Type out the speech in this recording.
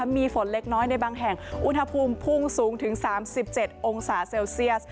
มีฝนเล็กน้อยในบางแห่งอุณหภูมิพุ่งสูงถึง๓๗องศาเซลเซียส